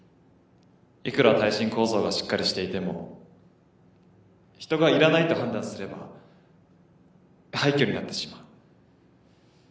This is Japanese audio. いくら耐震構造がしっかりしていても人がいらないと判断すれば廃墟になってしまう。